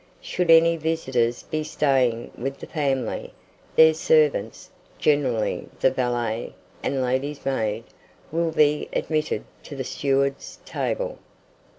Should any visitors be staying with the family, their servants, generally the valet and lady's maid, will be admitted to the steward's table.